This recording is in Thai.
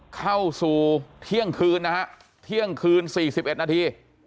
เข้าสู่เที่ยงคืนนะฮะเที่ยงคืน๔๑นาที